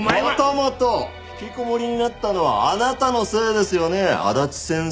元々引きこもりになったのはあなたのせいですよね足立先生。